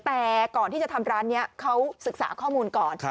แต่ก่อนที่จะทำร้านนี้เขาศึกษาข้อมูลก่อน